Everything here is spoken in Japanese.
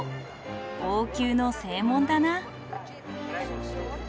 王宮の正門だな。